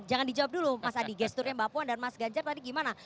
jangan dijawab dulu mas adi gesturnya mbak puan dan mas ganjar tadi gimana